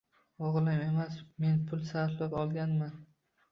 Oʻgʻlim emas, men pul sarflab olganman